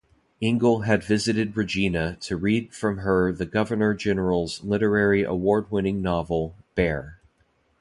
Engel had visited Regina to read from her the Governor-General's Literary Award-winning novel, "Bear".